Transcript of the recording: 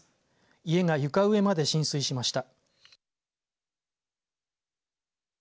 家が床上まで浸水しました。